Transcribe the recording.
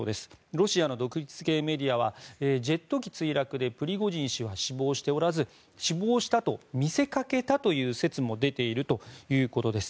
ロシアの独立系メディアはジェット機墜落でプリゴジン氏は死亡しておらず死亡したと見せかけたという説も出ているということです。